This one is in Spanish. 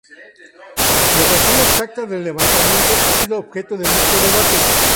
La razón exacta del levantamiento ha sido objeto de mucho debate.